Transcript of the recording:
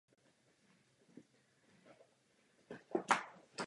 Jeho hlavní selhání spočívá v nedostatečném množství přidělených plateb.